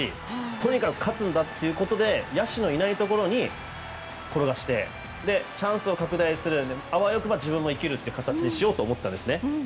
とにかく勝つんだということで野手のいないところに転がしてチャンスを拡大してあわよくば自分も生きる形にしようと思ったと思います。